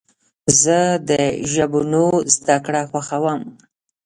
زه د ژبونو زدهکړه خوښوم.